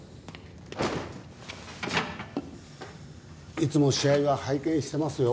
いつも試合は拝見してますよ。